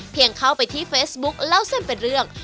เข้าไปที่เฟซบุ๊คเล่าเส้นเป็นเรื่อง